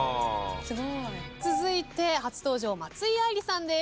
続いて初登場松井愛莉さんです。